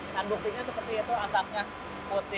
dan buktinya seperti itu asapnya putih